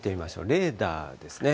レーダーですね。